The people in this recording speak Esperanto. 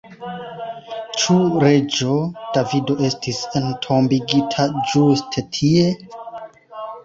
Ĉu reĝo Davido estis entombigita ĝuste tie?